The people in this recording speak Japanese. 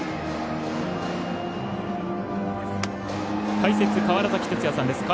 解説、川原崎哲也さんです。